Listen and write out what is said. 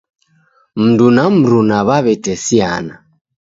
Mndu na mruna wawetesiana.